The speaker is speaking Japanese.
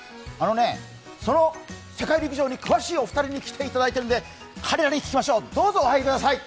その世界陸上に詳しいお二人に来ていただいているので彼らに聞きましょう、どうぞお入りください！